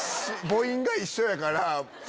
母音が一緒やから。